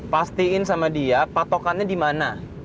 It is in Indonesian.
pastiin sama dia patokannya dimana